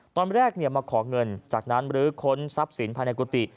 ตอนแรกมาขอเงินจากนั้นหรือค้นทรัพย์สินภายในกุฏิ